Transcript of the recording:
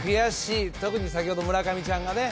特に先ほど村上ちゃんがね